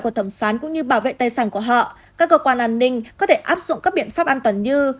của thẩm phán cũng như bảo vệ tài sản của họ các cơ quan an ninh có thể áp dụng các biện pháp an toàn như